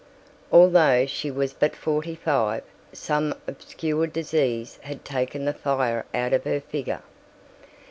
Although she was but forty five, some obscure disease had taken the fire out of her figure.